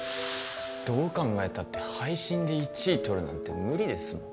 どう考えたって配信で１位とるなんて無理ですもん